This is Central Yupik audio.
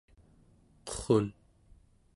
qurrun